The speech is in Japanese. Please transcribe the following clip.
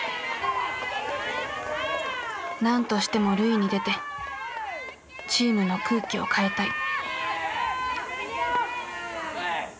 「何としても塁に出てチームの空気を変えたい」。